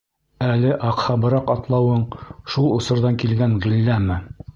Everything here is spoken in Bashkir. Әле аҡһабыраҡ атлауың шул осорҙан килгән ғилләме?